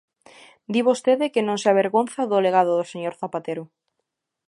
Di vostede que non se avergonza do legado do señor Zapatero.